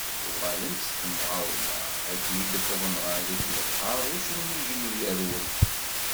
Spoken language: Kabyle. Uγalen-d s temγawla, akken i d-wwḍen γer rrif n lebḥeṛ, uccen ijelleb yerwel.